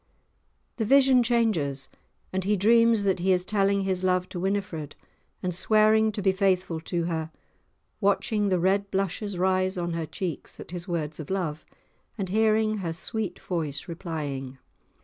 The vision changes, and he dreams that he is telling his love to Winifred, and swearing to be faithful to her, watching the red blushes rise on her cheeks at his words of love, and hearing her sweet voice replying.